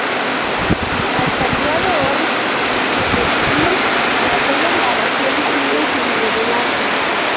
Hasta el día de hoy, el destino de aquella grabación sigue sin revelarse.